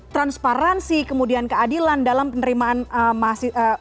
transparansi kemudian keadilan dalam penerimaan mahasiswa